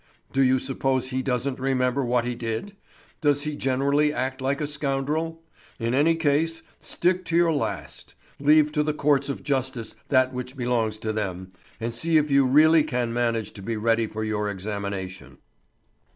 Do you suppose he doesn't remember what he did? Does he generally act like a scoundrel? In any case, stick to your last! Leave to the courts of justice that which belongs to them, and see if you really can manage to be ready for your examination!"